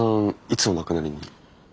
いつお亡くなりに？